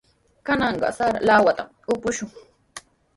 Kananqa sara lawatami upushun.